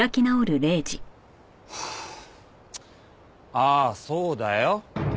ああそうだよ。